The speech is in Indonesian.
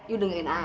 yu dengerin ayah